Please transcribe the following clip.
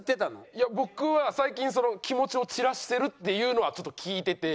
いや僕は最近気持ちを散らしてるっていうのはちょっと聞いてて。